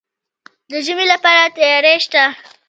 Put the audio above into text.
د ژمي لپاره تیاری شته؟